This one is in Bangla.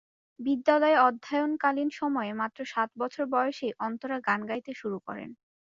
বিদ্যালয়ে অধ্যয়নকালীন সময়ে মাত্র সাত বছর বয়সেই অন্তরা গান গাইতে শুরু করেন।